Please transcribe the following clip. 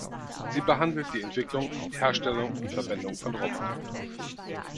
Sie behandelt die Entwicklung, Herstellung und Verwendung von Robotern.